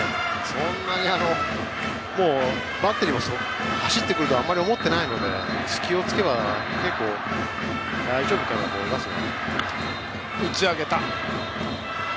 そんなにバッテリーも走ってくるとは思っていないので隙を突けば大丈夫だと思いますが。